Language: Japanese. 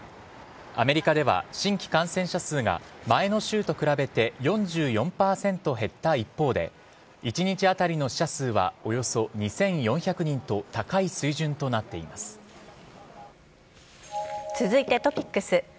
アメリカでは新規感染者数が前の週と比べて４４％減った一方で一日当たりの死者数はおよそ２４００人と続いてトピックス。